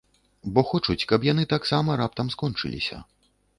Бо хочуць, каб яны таксама раптам скончыліся.